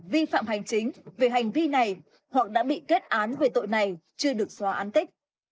vi phạm hành chính về hành vi này hoặc đã bị kết án về tội này chưa được xóa án tích